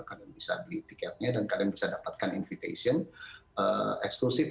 kalian bisa beli tiketnya dan kalian bisa dapatkan invitation eksklusif